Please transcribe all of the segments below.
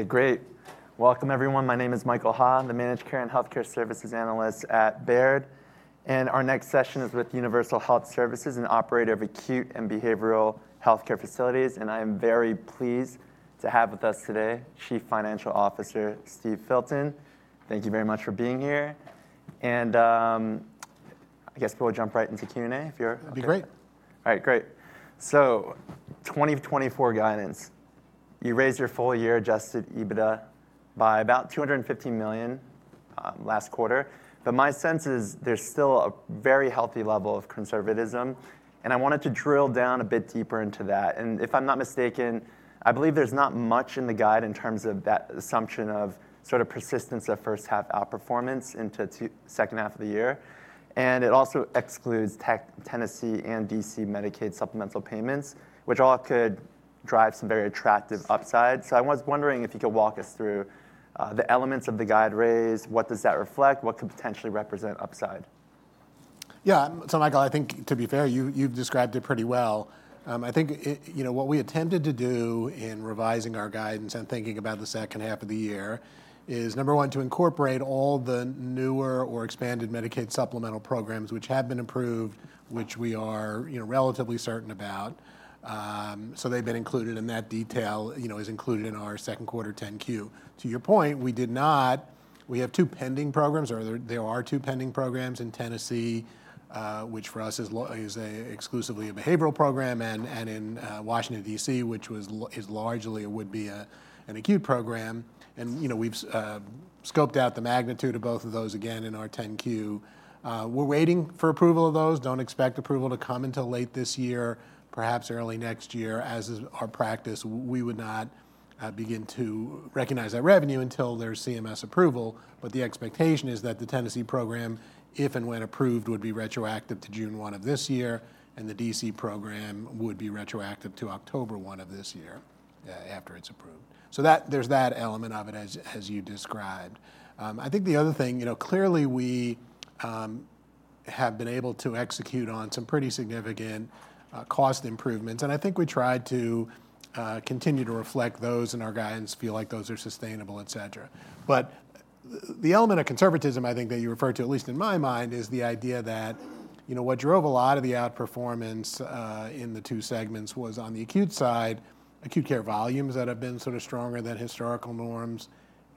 OK, great. Welcome, everyone. My name is Michael Ha. I'm the Managed Care and Healthcare Services analyst at Baird. And our next session is with Universal Health Services, an operator of acute and behavioral healthcare facilities, and I am very pleased to have with us today Chief Financial Officer, Steve Filton. Thank you very much for being here. And, I guess we'll jump right into Q&A if you're- That'd be great. All right, great. So 2024 guidance, you raised your full year adjusted EBITDA by about $250 million last quarter. But my sense is there's still a very healthy level of conservatism, and I wanted to drill down a bit deeper into that. And if I'm not mistaken, I believe there's not much in the guide in terms of that assumption of sort of persistence of first half outperformance into the second half of the year. And it also excludes Texas, Tennessee, and DC Medicaid supplemental payments, which all could drive some very attractive upside. So I was wondering if you could walk us through the elements of the guide raise. What does that reflect? What could potentially represent upside? Yeah. So Michael, I think to be fair, you, you've described it pretty well. I think you know, what we attempted to do in revising our guidance and thinking about the second half of the year is, number one, to incorporate all the newer or expanded Medicaid supplemental programs, which have been approved, which we are, you know, relatively certain about. So they've been included, and that detail, you know, is included in our second quarter 10-Q. To your point, we did not. We have two pending programs, or there are two pending programs in Tennessee, which for us is exclusively a behavioral program, and in Washington, D.C., which largely would be an acute program. And, you know, we've scoped out the magnitude of both of those again, in our 10-Q. We're waiting for approval of those. Don't expect approval to come until late this year, perhaps early next year. As is our practice, we would not begin to recognize that revenue until there's CMS approval. But the expectation is that the Tennessee program, if and when approved, would be retroactive to June one of this year, and the DC program would be retroactive to October one of this year after it's approved. So that there's that element of it, as you described. I think the other thing, you know, clearly we have been able to execute on some pretty significant cost improvements, and I think we tried to continue to reflect those in our guidance, feel like those are sustainable, etc. But the element of conservatism, I think, that you referred to, at least in my mind, is the idea that, you know, what drove a lot of the outperformance in the two segments was on the acute side, acute care volumes that have been sort of stronger than historical norms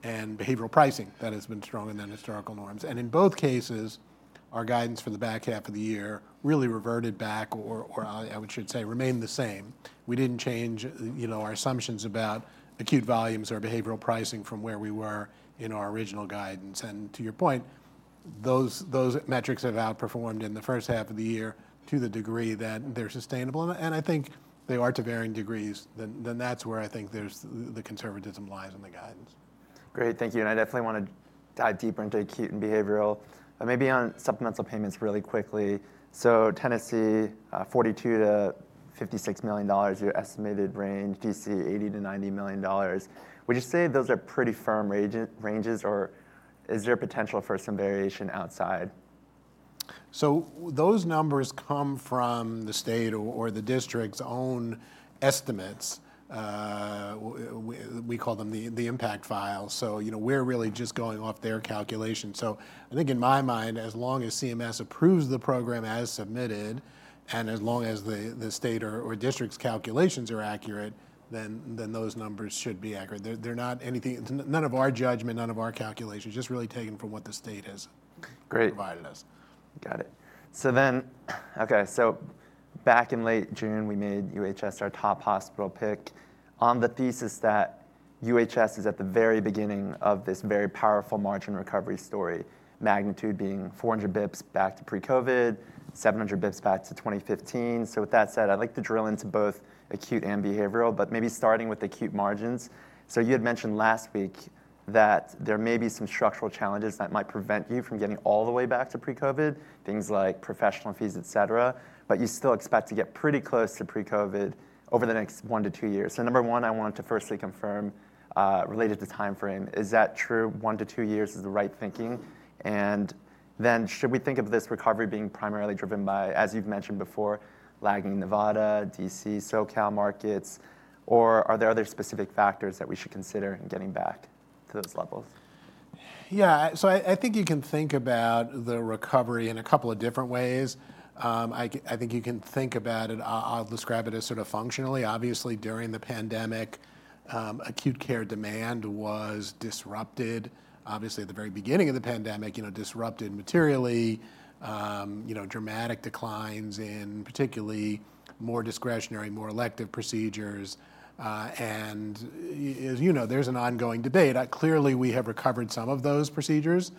and behavioral pricing that has been stronger than historical norms. And in both cases, our guidance for the back half of the year really reverted back, or I should say, remained the same. We didn't change, you know, our assumptions about acute volumes or behavioral pricing from where we were in our original guidance. To your point, those metrics have outperformed in the first half of the year to the degree that they're sustainable, and I think they are to varying degrees. Then that's where I think there's the conservatism lies in the guidance. Great, thank you. And I definitely want to dive deeper into acute and behavioral, but maybe on supplemental payments really quickly. So Tennessee, $42 to 56 million dollars, your estimated range, DC, $80 to 90 million. Would you say those are pretty firm ranges, or is there potential for some variation outside? So those numbers come from the state or the district's own estimates. We call them the impact files. So, you know, we're really just going off their calculations. So I think in my mind, as long as CMS approves the program as submitted, and as long as the state or district's calculations are accurate, then those numbers should be accurate. They're not anything, none of our judgment, none of our calculations, just really taken from what the state has- Great... provided us. Got it. So then, okay, so back in late June, we made UHS our top hospital pick on the thesis that UHS is at the very beginning of this very powerful margin recovery story, magnitude being 400 basis points back to pre-COVID, 700 basis points back to 2015. So with that said, I'd like to drill into both acute and behavioral, but maybe starting with acute margins. So you had mentioned last week that there may be some structural challenges that might prevent you from getting all the way back to pre-COVID, things like professional fees, etc., but you still expect to get pretty close to pre-COVID over the next one to two years. So number one, I wanted to firstly confirm, related to timeframe, is that true, one to two years is the right thinking? Then, should we think of this recovery being primarily driven by, as you've mentioned before, lagging Nevada, DC, SoCal markets, or are there other specific factors that we should consider in getting back to those levels? Yeah. So I think you can think about the recovery in a couple of different ways. I think you can think about it. I'll describe it as sort of functionally. Obviously, during the pandemic, acute care demand was disrupted. Obviously, at the very beginning of the pandemic, you know, disrupted materially, you know, dramatic declines in particularly more discretionary, more elective procedures, and as you know, there's an ongoing debate. Clearly, we have recovered some of those procedures,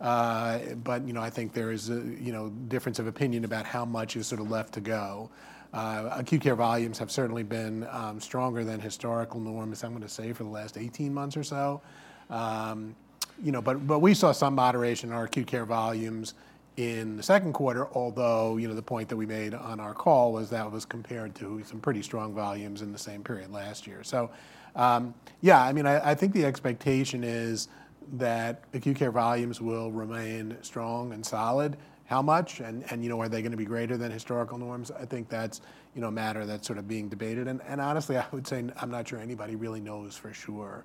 but, you know, I think there is a, you know, difference of opinion about how much is sort of left to go. Acute care volumes have certainly been stronger than historical norms, I'm going to say, for the last 18 months or so. You know, but we saw some moderation in our acute care volumes... In the second quarter, although, you know, the point that we made on our call was that was compared to some pretty strong volumes in the same period last year. So, yeah, I mean, I think the expectation is that acute care volumes will remain strong and solid. How much? And, you know, are they gonna be greater than historical norms? I think that's, you know, a matter that's sort of being debated. And, honestly, I would say I'm not sure anybody really knows for sure.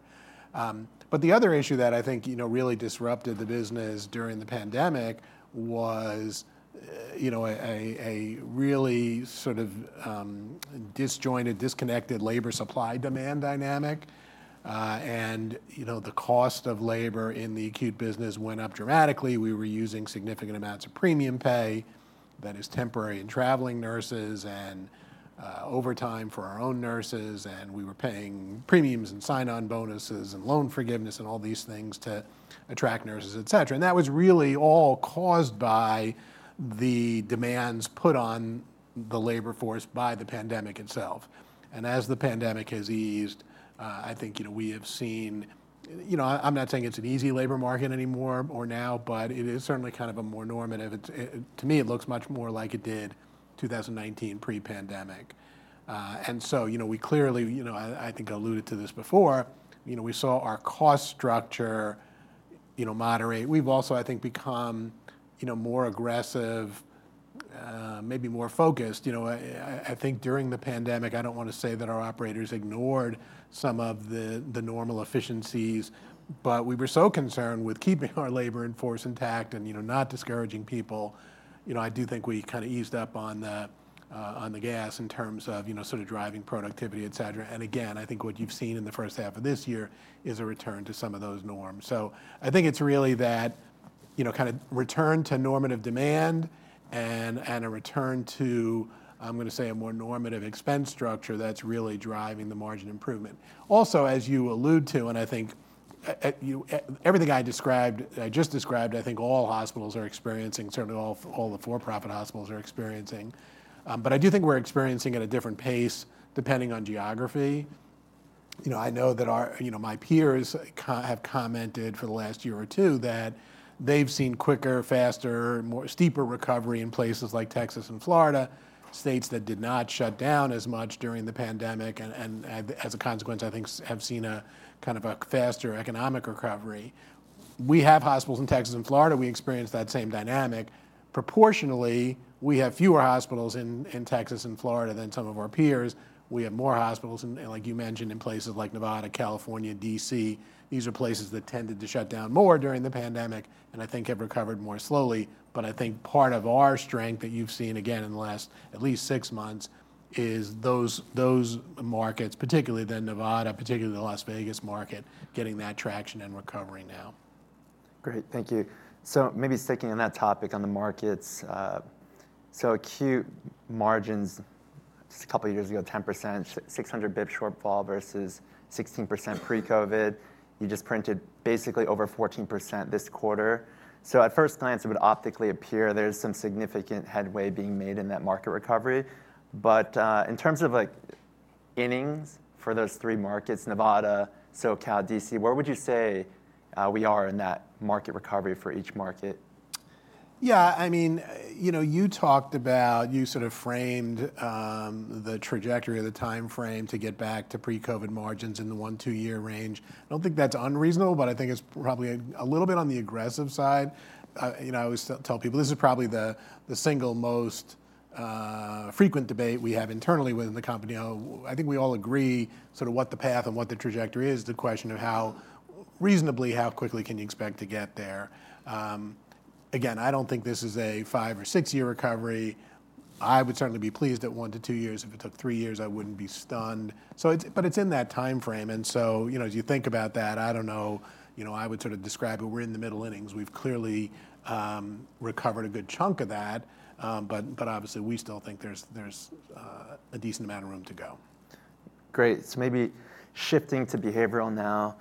But the other issue that I think, you know, really disrupted the business during the pandemic was, you know, a really sort of disjointed, disconnected labor supply-demand dynamic. And, you know, the cost of labor in the acute business went up dramatically. We were using significant amounts of premium pay, that is temporary, and traveling nurses, and, overtime for our own nurses, and we were paying premiums, and sign-on bonuses, and loan forgiveness, and all these things to attract nurses, et cetera. And that was really all caused by the demands put on the labor force by the pandemic itself. And as the pandemic has eased, I think, you know, we have seen you know, I'm not saying it's an easy labor market anymore or now, but it is certainly kind of a more normative to me, it looks much more like it did 2019, pre-pandemic. and so, you know, we clearly you know, I think I alluded to this before, you know, we saw our cost structure, you know, moderate. We've also, I think, become, you know, more aggressive, maybe more focused. You know, I, I think during the pandemic, I don't want to say that our operators ignored some of the, the normal efficiencies, but we were so concerned with keeping our labor force intact and, you know, not discouraging people. You know, I do think we kind of eased up on the gas in terms of, you know, sort of driving productivity, et cetera. And again, I think what you've seen in the first half of this year is a return to some of those norms. So I think it's really that, you know, kind of return to normative demand and a return to, I'm going to say, a more normative expense structure that's really driving the margin improvement. Also, as you allude to, and I think, everything I described, I just described, I think all hospitals are experiencing, certainly all, all the for-profit hospitals are experiencing. But I do think we're experiencing at a different pace, depending on geography. You know, I know that you know, my peers have commented for the last year or two that they've seen quicker, faster, more steeper recovery in places like Texas and Florida, states that did not shut down as much during the pandemic, and as a consequence, I think have seen a kind of a faster economic recovery. We have hospitals in Texas and Florida. We experienced that same dynamic. Proportionally, we have fewer hospitals in Texas and Florida than some of our peers. We have more hospitals, and like you mentioned, in places like Nevada, California, DC. These are places that tended to shut down more during the pandemic, and I think have recovered more slowly. But I think part of our strength that you've seen, again, in the last at least six months, is those markets, particularly the Nevada, particularly the Las Vegas market, getting that traction and recovery now. Great, thank you. So maybe sticking on that topic on the markets. So acute margins, just a couple of years ago, 10%, 600 basis points shortfall versus 16% pre-COVID. You just printed basically over 14% this quarter. So at first glance, it would optically appear there's some significant headway being made in that market recovery. But, in terms of, like, innings for those three markets, Nevada, SoCal, DC, where would you say, we are in that market recovery for each market? Yeah, I mean, you know, you talked about- you sort of framed, the trajectory or the time frame to get back to pre-COVID margins in the one- to two-year range. I don't think that's unreasonable, but I think it's probably a little bit on the aggressive side. You know, I always tell people this is probably the single most frequent debate we have internally within the company. I think we all agree sort of what the path and what the trajectory is, the question of how reasonably, how quickly can you expect to get there? Again, I don't think this is a five- or six-year recovery. I would certainly be pleased at one to two years. If it took three years, I wouldn't be stunned. But it's in that time frame, and so, you know, as you think about that, I don't know, you know, I would sort of describe it. We're in the middle innings. We've clearly recovered a good chunk of that, but obviously, we still think there's a decent amount of room to go. Great, so maybe shifting to behavioral now.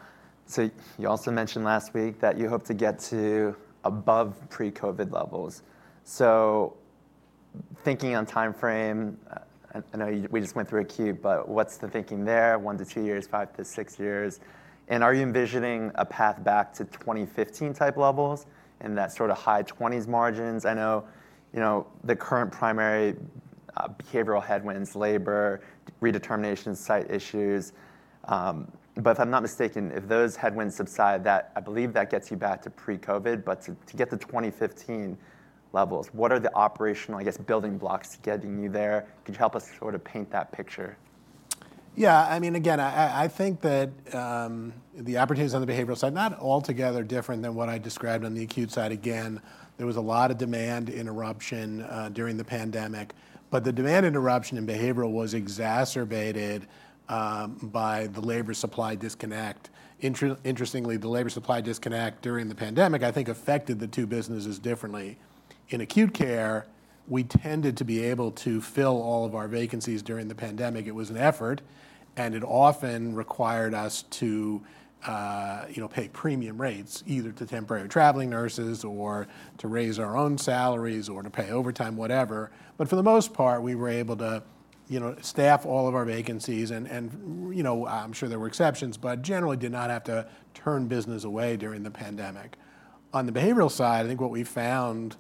So you also mentioned last week that you hope to get to above pre-COVID levels. So thinking on time frame, I know we just went through acute, but what's the thinking there, one to two years, five to six years? And are you envisioning a path back to 2015 type levels and that sort of high 20s margins? I know, you know, the current primary, behavioral headwinds, labor, redetermination, site issues, but if I'm not mistaken, if those headwinds subside, that I believe that gets you back to pre-COVID. But to get to 2015 levels, what are the operational, I guess, building blocks getting you there? Could you help us sort of paint that picture? Yeah, I mean, again, I think that the opportunities on the behavioral side, not altogether different than what I described on the acute side. Again, there was a lot of demand interruption during the pandemic, but the demand interruption in behavioral was exacerbated by the labor supply disconnect. Interestingly, the labor supply disconnect during the pandemic, I think, affected the two businesses differently. In acute care, we tended to be able to fill all of our vacancies during the pandemic. It was an effort, and it often required us to you know, pay premium rates, either to temporary traveling nurses or to raise our own salaries, or to pay overtime, whatever. But for the most part, we were able to-... You know, staff all of our vacancies and, you know, I'm sure there were exceptions, but generally did not have to turn business away during the pandemic. On the behavioral side, I think what we found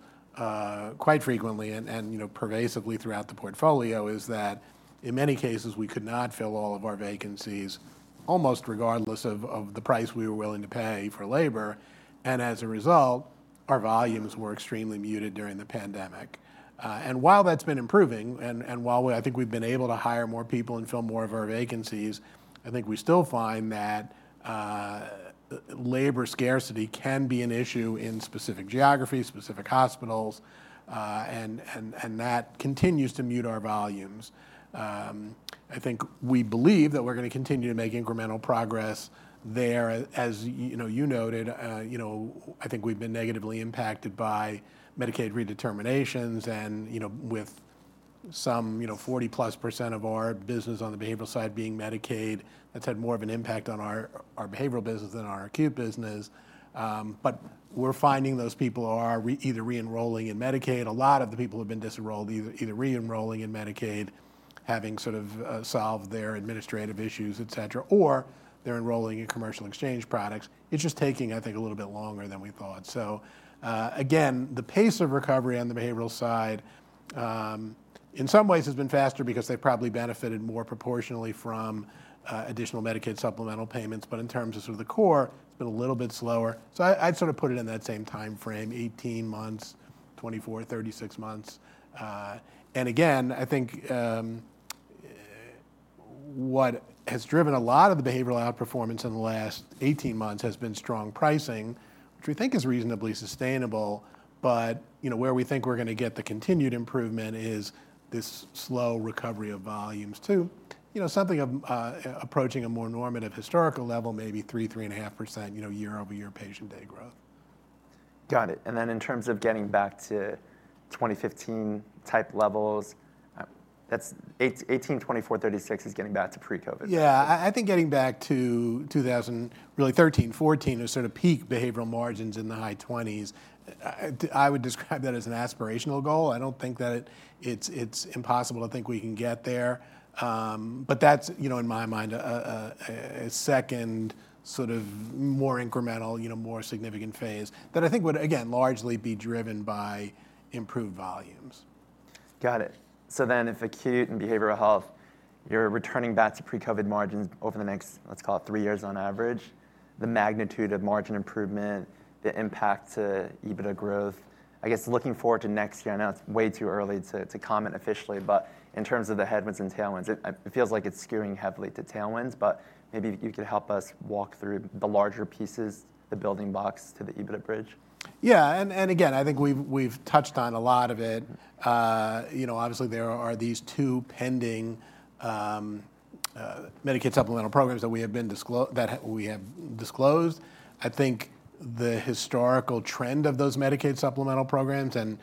quite frequently and, you know, pervasively throughout the portfolio is that in many cases, we could not fill all of our vacancies, almost regardless of the price we were willing to pay for labor, and as a result, our volumes were extremely muted during the pandemic. And while that's been improving and while we, I think, we've been able to hire more people and fill more of our vacancies, I think we still find that labor scarcity can be an issue in specific geographies, specific hospitals, and that continues to mute our volumes. I think we believe that we're gonna continue to make incremental progress there. As you know, you noted, you know, I think we've been negatively impacted by Medicaid redeterminations and, you know, with some, you know, 40%+ of our business on the behavioral side being Medicaid, that's had more of an impact on our behavioral business than our acute business. But we're finding those people are either re-enrolling in Medicaid. A lot of the people who've been disenrolled, either re-enrolling in Medicaid, having sort of solved their administrative issues, et cetera, or they're enrolling in commercial exchange products. It's just taking, I think, a little bit longer than we thought. So, again, the pace of recovery on the behavioral side, in some ways has been faster because they probably benefited more proportionally from, additional Medicaid supplemental payments, but in terms of sort of the core, it's been a little bit slower. So I, I'd sort of put it in that same time frame, 18 months, 24, 36 months. And again, I think, what has driven a lot of the behavioral outperformance in the last 18 months has been strong pricing, which we think is reasonably sustainable, but, you know, where we think we're gonna get the continued improvement is this slow recovery of volumes to, you know, something, approaching a more normative historical level, maybe three, 3.5%, you know, year-over-year patient day growth. Got it, and then in terms of getting back to 2015 type levels, that's 8-18, 24, 36 is getting back to pre-COVID. Yeah, I think getting back to 2013, 2014 is sort of peak behavioral margins in the high 20s. I would describe that as an aspirational goal. I don't think that it's impossible to think we can get there, but that's, you know, in my mind, a second sort of more incremental, you know, more significant phase that I think would, again, largely be driven by improved volumes. Got it. So then if acute and behavioral health, you're returning back to pre-COVID margins over the next, let's call it three years on average, the magnitude of margin improvement, the impact to EBITDA growth. I guess looking forward to next year, I know it's way too early to comment officially, but in terms of the headwinds and tailwinds, it feels like it's skewing heavily to tailwinds, but maybe you could help us walk through the larger pieces, the building blocks to the EBITDA bridge. Yeah, and again, I think we've touched on a lot of it. You know, obviously, there are these two pending Medicaid supplemental programs that we have disclosed. I think the historical trend of those Medicaid supplemental programs, and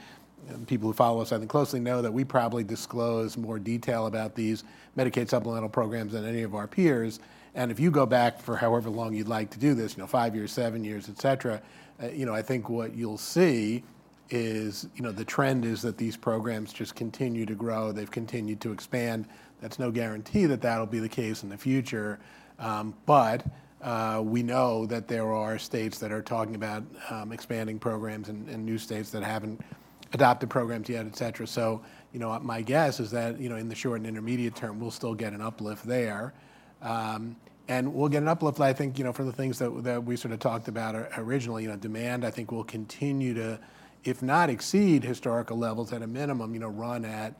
people who follow us, I think, closely know that we probably disclose more detail about these Medicaid supplemental programs than any of our peers, and if you go back for however long you'd like to do this, you know, five years, seven years, et cetera, you know, I think what you'll see is, you know, the trend is that these programs just continue to grow. They've continued to expand. That's no guarantee that that'll be the case in the future, but we know that there are states that are talking about expanding programs and new states that haven't adopted programs yet, et cetera. So, you know, my guess is that, you know, in the short and intermediate term, we'll still get an uplift there. And we'll get an uplift, I think, you know, from the things that we sort of talked about originally. You know, demand, I think, will continue to, if not exceed historical levels, at a minimum, you know, run at,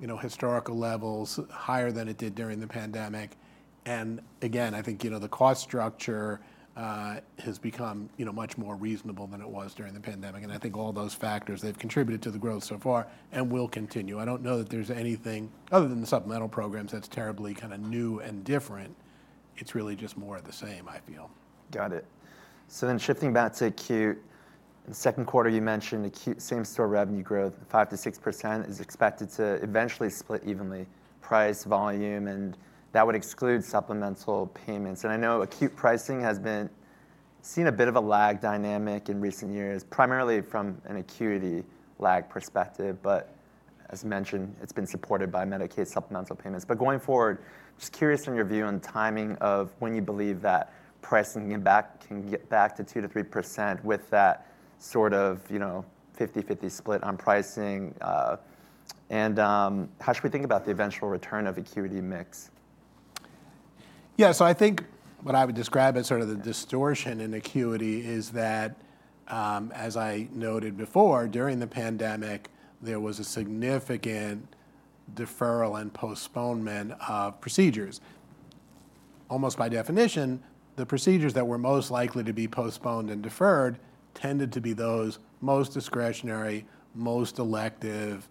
you know, historical levels higher than it did during the pandemic. And again, I think, you know, the cost structure has become, you know, much more reasonable than it was during the pandemic. I think all those factors, they've contributed to the growth so far and will continue. I don't know that there's anything, other than the supplemental programs, that's terribly kind of new and different. It's really just more of the same, I feel. Got it. So then shifting back to acute, in the second quarter, you mentioned acute same-store revenue growth, 5% to 6% is expected to eventually split evenly, price, volume, and that would exclude supplemental payments. And I know acute pricing has been seeing a bit of a lag dynamic in recent years, primarily from an acuity lag perspective, but as mentioned, it's been supported by Medicaid supplemental payments. But going forward, just curious from your view on timing of when you believe that pricing can get back to 2% to 3% with that sort of, you know, 50/50 split on pricing, and how should we think about the eventual return of acuity mix? Yeah, so I think what I would describe as sort of the distortion in acuity is that, as I noted before, during the pandemic, there was a significant deferral and postponement of procedures. Almost by definition, the procedures that were most likely to be postponed and deferred tended to be those most discretionary, most elective,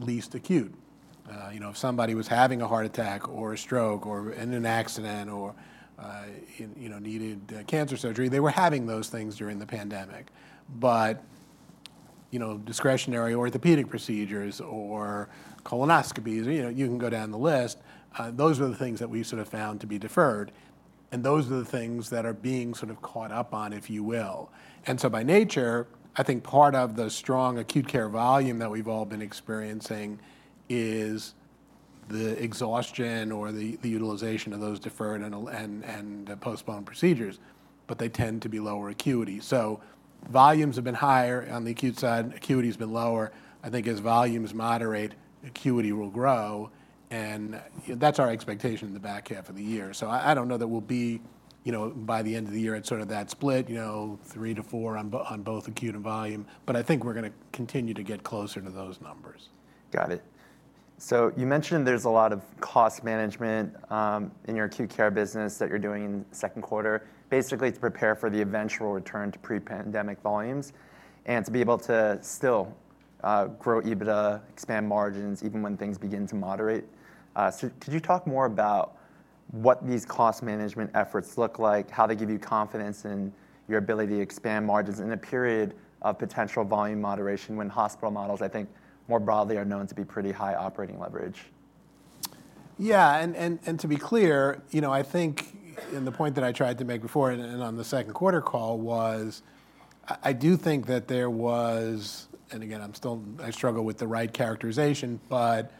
least acute. You know, if somebody was having a heart attack or a stroke or in an accident or, you know, needed cancer surgery, they were having those things during the pandemic. But, you know, discretionary orthopedic procedures or colonoscopies, you know, you can go down the list, those are the things that we sort of found to be deferred, and those are the things that are being sort of caught up on, if you will. And so by nature, I think part of the strong acute care volume that we've all been experiencing is the exhaustion or the utilization of those deferred and postponed procedures, but they tend to be lower acuity. So volumes have been higher on the acute side, acuity's been lower. I think as volumes moderate, acuity will grow, and that's our expectation in the back half of the year. So I don't know that we'll be, you know, by the end of the year at sort of that split, you know, three to four on both acute and volume, but I think we're gonna continue to get closer to those numbers. Got it. So you mentioned there's a lot of cost management in your acute care business that you're doing in the second quarter, basically to prepare for the eventual return to pre-pandemic volumes, and to be able to still grow EBITDA, expand margins, even when things begin to moderate. So could you talk more about what these cost management efforts look like, how they give you confidence in your ability to expand margins in a period of potential volume moderation when hospital models, I think, more broadly, are known to be pretty high operating leverage? Yeah, to be clear, you know, I think and the point that I tried to make before and on the second quarter call was, I do think that there was... and again, I still struggle with the right characterization, but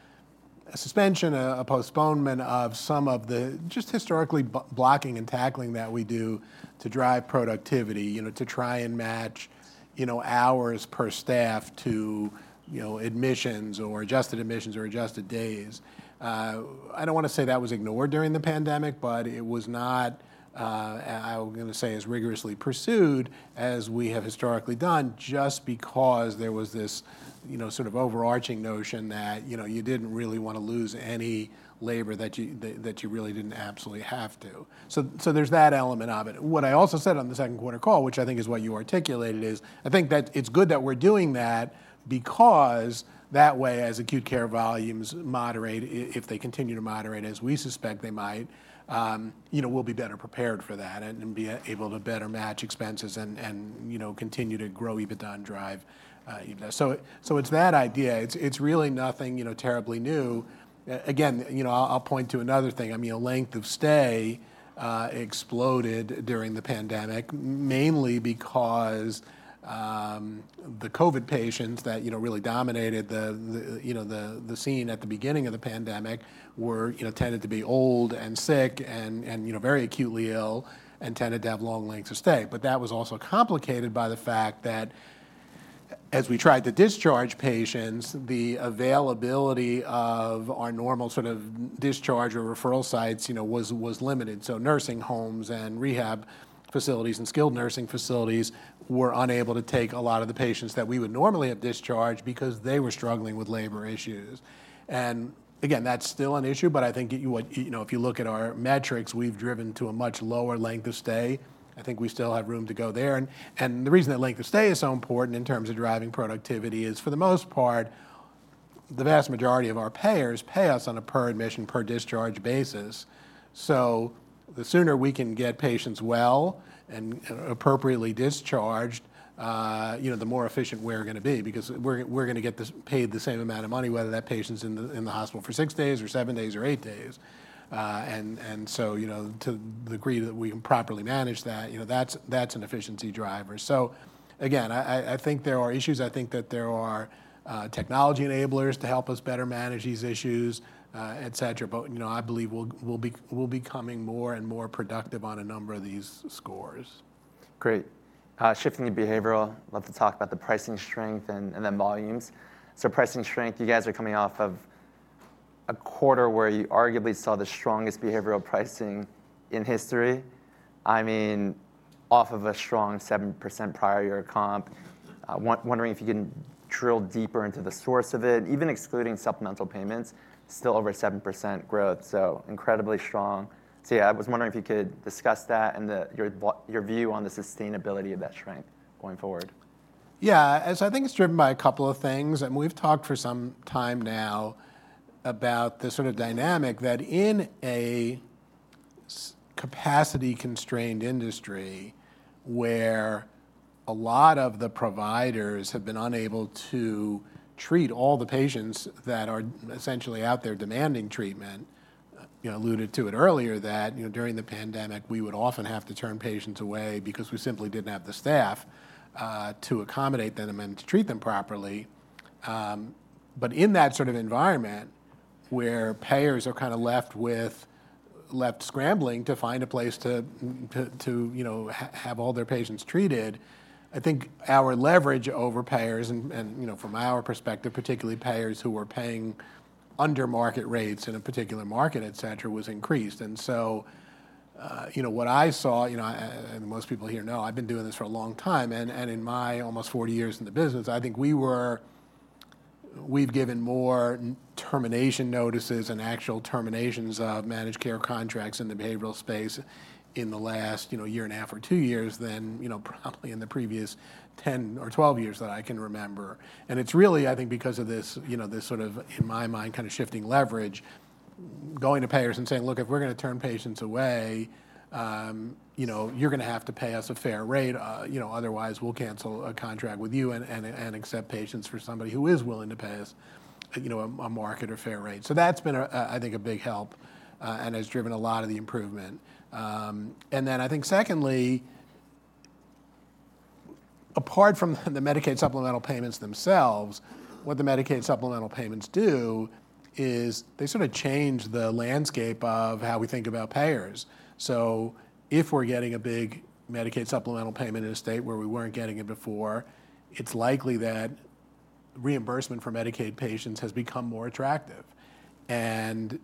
a suspension, a postponement of some of the just historically blocking and tackling that we do to drive productivity, you know, to try and match, you know, hours per staff to, you know, admissions or adjusted admissions or adjusted days. I don't wanna say that was ignored during the pandemic, but it was not, I'm gonna say, as rigorously pursued as we have historically done, just because there was this, you know, sort of overarching notion that, you know, you didn't really wanna lose any labor that you that you really didn't absolutely have to. So, there's that element of it. What I also said on the second quarter call, which I think is what you articulated, is I think that it's good that we're doing that because that way, as acute care volumes moderate, if they continue to moderate as we suspect they might, you know, we'll be better prepared for that, and be able to better match expenses and, you know, continue to grow EBITDA and drive EBITDA. So, it's that idea. It's really nothing, you know, terribly new. Again, you know, I'll point to another thing. I mean, length of stay exploded during the pandemic, mainly because the COVID patients that you know really dominated the scene at the beginning of the pandemic were you know tended to be old and sick and you know very acutely ill, and tended to have long lengths of stay. But that was also complicated by the fact that as we tried to discharge patients, the availability of our normal sort of discharge or referral sites you know was limited. So nursing homes and rehab facilities and skilled nursing facilities were unable to take a lot of the patients that we would normally have discharged because they were struggling with labor issues. And again, that's still an issue, but I think you know if you look at our metrics, we've driven to a much lower length of stay. I think we still have room to go there. And the reason that length of stay is so important in terms of driving productivity is, for the most part, the vast majority of our payers pay us on a per-admission, per-discharge basis. So the sooner we can get patients well and appropriately discharged, you know, the more efficient we're gonna be because we're gonna get paid the same amount of money, whether that patient's in the hospital for six days or seven days or eight days. And so, you know, to the degree that we can properly manage that, you know, that's an efficiency driver. So again, I think there are issues. I think that there are technology enablers to help us better manage these issues, et cetera. But, you know, I believe we'll be coming more and more productive on a number of these scores. Great. Shifting to behavioral, I'd love to talk about the pricing strength and then volumes, so pricing strength, you guys are coming off of a quarter where you arguably saw the strongest behavioral pricing in history. I mean, off of a strong 7% prior year comp, wondering if you can drill deeper into the source of it, even excluding supplemental payments, still over 7% growth, so incredibly strong, so yeah, I was wondering if you could discuss that and your view on the sustainability of that strength going forward. Yeah, so I think it's driven by a couple of things, and we've talked for some time now about the sort of dynamic that in a capacity-constrained industry, where a lot of the providers have been unable to treat all the patients that are essentially out there demanding treatment, you know, alluded to it earlier, that, you know, during the pandemic, we would often have to turn patients away because we simply didn't have the staff to accommodate them and to treat them properly, but in that sort of environment, where payers are kind of left scrambling to find a place to, you know, have all their patients treated, I think our leverage over payers and, you know, from our perspective, particularly payers who were paying under market rates in a particular market, et cetera, was increased. And so, you know, what I saw, you know, and most people here know, I've been doing this for a long time, and in my almost 40 years in the business, I think we've given more termination notices and actual terminations of managed care contracts in the behavioral space in the last, you know, year and a half or two years than, you know, probably in the previous 10 or 12 years that I can remember. And it's really, I think, because of this, you know, this sort of, in my mind, kind of shifting leverage, going to payers and saying: Look, if we're gonna turn patients away, you know, you're gonna have to pay us a fair rate, you know, otherwise, we'll cancel a contract with you and accept patients for somebody who is willing to pay us, you know, a market or fair rate. So that's been, I think, a big help and has driven a lot of the improvement. And then I think secondly... apart from the Medicaid supplemental payments themselves, what the Medicaid supplemental payments do is they sort of change the landscape of how we think about payers. So if we're getting a big Medicaid supplemental payment in a state where we weren't getting it before, it's likely that reimbursement for Medicaid patients has become more attractive. And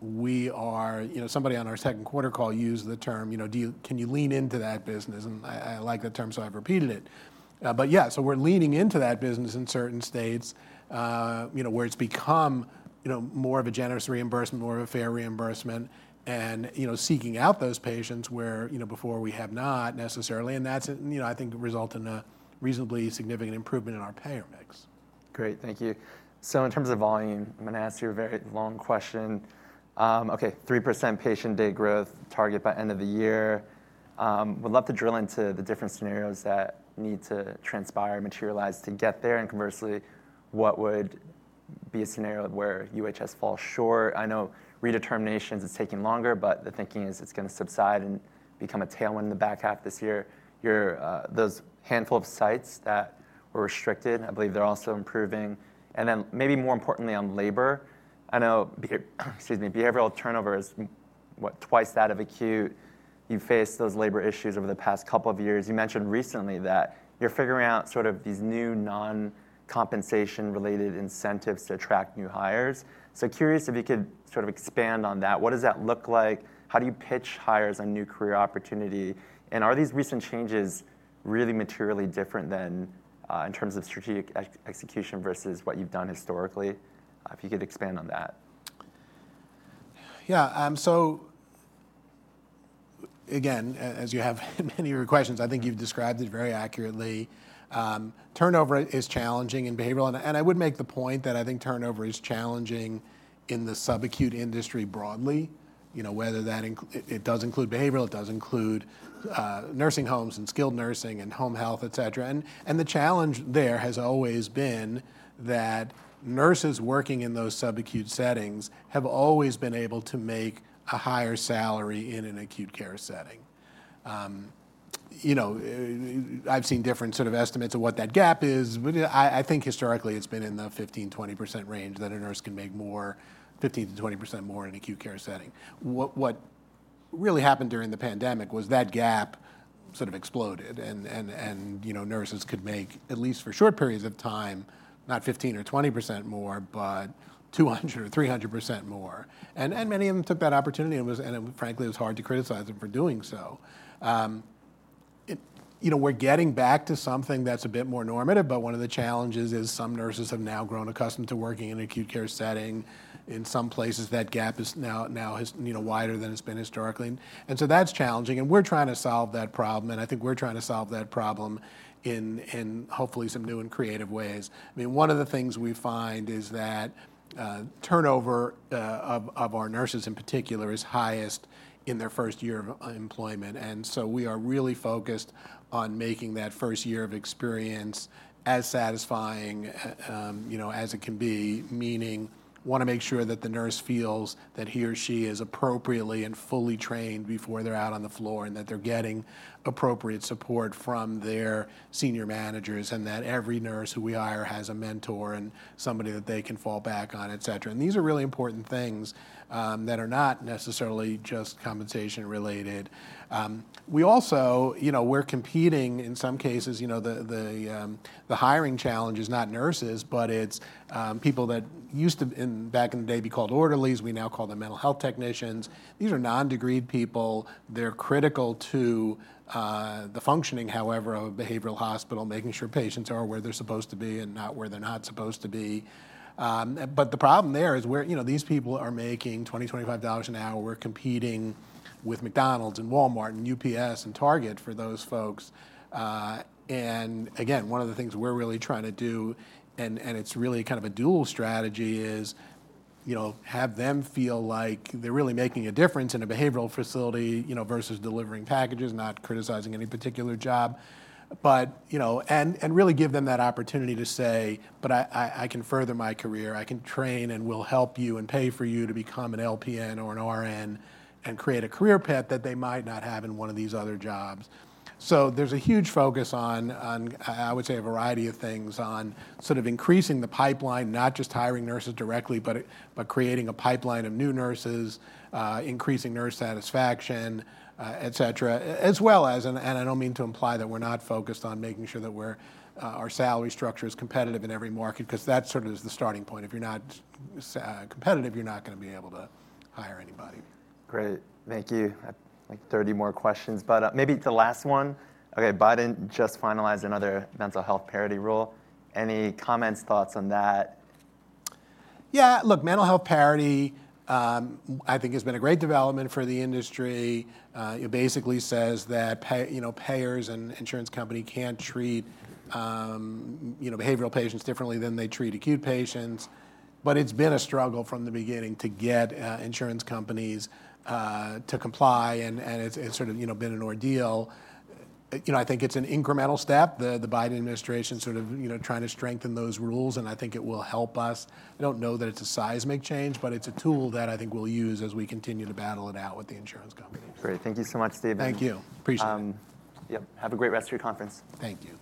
we are, you know, somebody on our second quarter call used the term, you know, can you lean into that business? And I like the term, so I've repeated it. But yeah, so we're leaning into that business in certain states, you know, where it's become, you know, more of a generous reimbursement, more of a fair reimbursement and, you know, seeking out those patients where, you know, before we have not necessarily. And that's, you know, I think result in a reasonably significant improvement in our payer mix. Great. Thank you. So in terms of volume, I'm gonna ask you a very long question. Okay, 3% patient day growth target by end of the year. Would love to drill into the different scenarios that need to transpire and materialize to get there, and conversely, what would be a scenario where UHS falls short? I know redeterminations is taking longer, but the thinking is it's gonna subside and become a tailwind in the back half this year. Your, those handful of sites that were restricted, I believe they're also improving. And then, maybe more importantly on labor, I know, behavioral turnover is what? Twice that of acute. You've faced those labor issues over the past couple of years. You mentioned recently that you're figuring out sort of these new non-compensation related incentives to attract new hires. So curious if you could sort of expand on that. What does that look like? How do you pitch hires on new career opportunity? And are these recent changes really materially different than, in terms of strategic execution versus what you've done historically? If you could expand on that. Yeah, so again, as you have in many of your questions, I think you've described it very accurately. Turnover is challenging in behavioral, and I would make the point that I think turnover is challenging in the subacute industry broadly. You know, whether that it does include behavioral, it does include, nursing homes and skilled nursing and home health, et cetera. And the challenge there has always been that nurses working in those subacute settings have always been able to make a higher salary in an acute care setting. You know, I've seen different sort of estimates of what that gap is, but I think historically it's been in the 15%-20% range that a nurse can make more, 15% to 20% more in an acute care setting. What really happened during the pandemic was that gap sort of exploded and, you know, nurses could make, at least for short periods of time, not 15% or 20% more, but 200% or 300% more. And many of them took that opportunity, and it was, and frankly, it was hard to criticize them for doing so. You know, we're getting back to something that's a bit more normative, but one of the challenges is some nurses have now grown accustomed to working in an acute care setting. In some places, that gap is now, you know, wider than it's been historically. And so that's challenging, and we're trying to solve that problem, and I think we're trying to solve that problem in hopefully some new and creative ways. I mean, one of the things we find is that, turnover of our nurses in particular, is highest in their first year of employment, and so we are really focused on making that first year of experience as satisfying, you know, as it can be. Meaning, wanna make sure that the nurse feels that he or she is appropriately and fully trained before they're out on the floor, and that they're getting appropriate support from their senior managers, and that every nurse who we hire has a mentor and somebody that they can fall back on, et cetera, and these are really important things that are not necessarily just compensation related. We also, you know, we're competing in some cases, you know, the hiring challenge is not nurses, but it's people that used to, back in the day, be called orderlies. We now call them mental health technicians. These are non-degreed people. They're critical to the functioning, however, of a behavioral hospital, making sure patients are where they're supposed to be and not where they're not supposed to be. But the problem there is where, you know, these people are making $20 to $25 an hour. We're competing with McDonald's and Walmart and UPS and Target for those folks. And again, one of the things we're really trying to do, and it's really kind of a dual strategy, is, you know, have them feel like they're really making a difference in a behavioral facility, you know, versus delivering packages, not criticizing any particular job. But, you know, and really give them that opportunity to say, "But I can further my career. I can train," and we'll help you and pay for you to become an LPN or an RN and create a career path that they might not have in one of these other jobs. So there's a huge focus on, I would say, a variety of things, on sort of increasing the pipeline, not just hiring nurses directly, but creating a pipeline of new nurses, increasing nurse satisfaction, et cetera. As well as, and I don't mean to imply that we're not focused on making sure our salary structure is competitive in every market, 'cause that's sort of is the starting point. If you're not competitive, you're not gonna be able to hire anybody. Great. Thank you. I have like 30 more questions, but maybe the last one. Okay, Biden just finalized another mental health parity rule. Any comments, thoughts on that? Yeah, look, mental health parity, I think has been a great development for the industry. It basically says that you know, payers and insurance company can't treat, you know, behavioral patients differently than they treat acute patients. But it's been a struggle from the beginning to get, insurance companies, to comply, and it's sort of, you know, been an ordeal. You know, I think it's an incremental step. The Biden administration sort of, you know, trying to strengthen those rules, and I think it will help us. I don't know that it's a seismic change, but it's a tool that I think we'll use as we continue to battle it out with the insurance companies. Great. Thank you so much, Steve. Thank you. Appreciate it. Yep, have a great rest of your conference. Thank you.